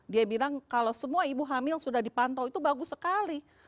dia bilang kalau semua ibu hamil sudah dipantau itu bagus sekali